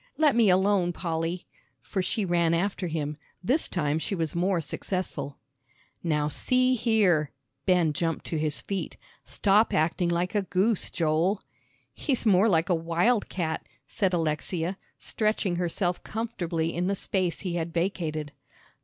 Let me alone, Polly," for she ran after him; this time she was more successful. "Now see here," Ben jumped to his feet, "stop acting like a goose, Joel." "He's more like a wild cat," said Alexia, stretching herself comfortably in the space he had vacated.